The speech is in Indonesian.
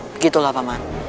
begitulah pak man